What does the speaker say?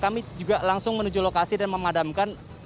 kami juga langsung menuju lokasi dan memadamkan